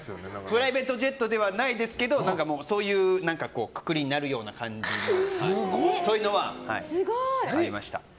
プライベートジェットではないですけどそういうくくりになる感じのそういうのはありました。